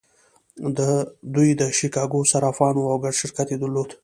دوی د شیکاګو صرافان وو او ګډ شرکت یې درلود